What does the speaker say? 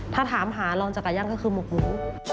ถ้าถามหาลองจากไก่ย่างก็คือหมกหมู